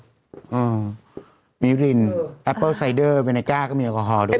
อุ๊บว่ามิรินแอปเปอร์ไซเดอร์เวนเจาะก็มีแอลกอฮอล์ด้วย